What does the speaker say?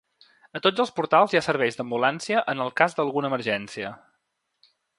A tots els portals hi ha serveis d'ambulància en el cas d'alguna emergència.